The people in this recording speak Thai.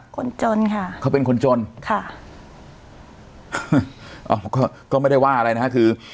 คนจนค่ะเขาเป็นคนจนค่ะอ๋อก็ก็ไม่ได้ว่าอะไรนะฮะคือ